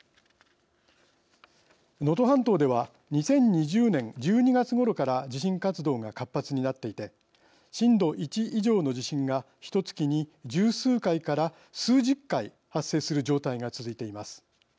能登半島では２０２０年１２月ごろから地震活動が活発になっていて震度１以上の地震がひと月に十数回から数十回発生する状態が続いています。